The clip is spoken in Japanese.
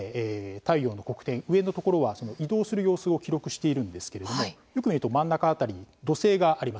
太陽の黒点上の所は移動する様子を記録しているんですけれどもよく見ると真ん中辺り土星があります。